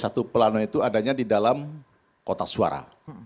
nah ini c satu plano itu adanya di dalam kotak suara